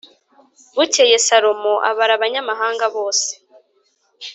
Bukeye Salomo abara abanyamahanga bose